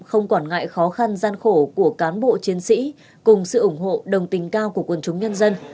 không quản ngại khó khăn gian khổ của cán bộ chiến sĩ cùng sự ủng hộ đồng tình cao của quần chúng nhân dân